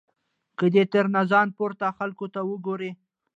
که دی تر ځان پورته خلکو ته وګوري.